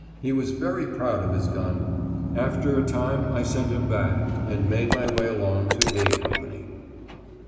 He was very proud of his gun. After a time I sent him back, and made my way along to "A" Company.